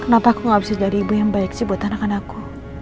kenapa aku gak bisa jadi ibu yang baik sih buat anak anakku